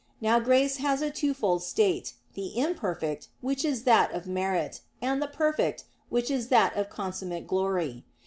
Now grace has a twofold state, the imperfect, which is that of merit; and the perfect, which is that of consummate glory.